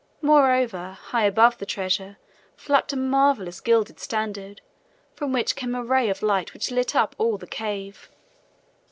Moreover, high above the treasure flapped a marvelous gilded standard, from which came a ray of light which lit up all the cave.